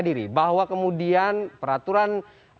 diri bahwa kemudian peraturan